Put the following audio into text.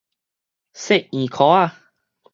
踅圓箍仔